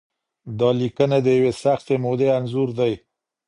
دا لیکنې د یوې سختې مودې انځور دی.